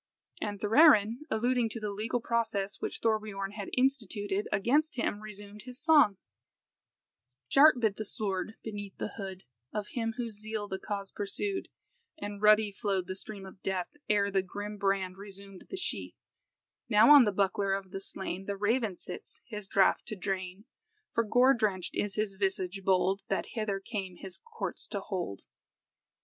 And Thorarin, alluding to the legal process which Thorbiorn had instituted against him, resumed his song "Sharp bit the sword beneath the hood Of him whose zeal the cause pursued, And ruddy flowed the stream of death, Ere the grim brand resumed the sheath; Now on the buckler of the slain The raven sits, his draught to drain, For gore drenched is his visage bold, That hither came his courts to hold."